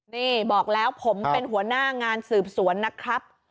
นี่บอกแล้วผมเป็นหัวหน้างานสืบสวนนะครับ